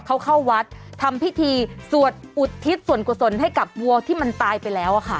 เขาเข้าวัดทำพิธีสวดอุทิศส่วนกุศลให้กับวัวที่มันตายไปแล้วอะค่ะ